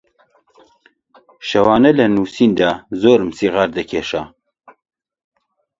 شەوانە لە نووسیندا زۆرم سیغار دەکێشا